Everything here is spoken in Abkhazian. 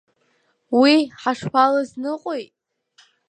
Уи ҳашԥалызныҟәеи?